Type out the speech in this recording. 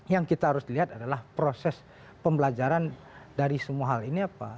yang kita harus lihat adalah proses pembelajaran dari semua hal ini apa